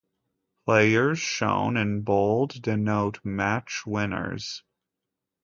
Players shown in bold denote match winners.